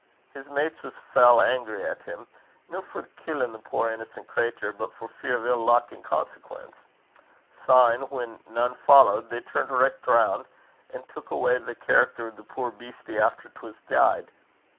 His mates was fell angry at him, no for killin' the puir innocent craytur, but for fear o' ill luck in consequence. Syne when nane followed, they turned richt roun', an' took awa' the character o' the puir beastie efter 'twas deid.